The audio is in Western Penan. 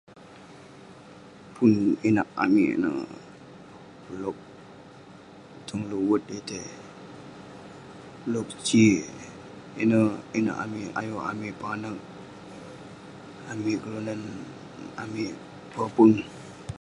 Pun inak amik ineh..blok tong long wat etey, blok c. ineh inak amik, ayuk amik panak, amik kelunan amik popeng.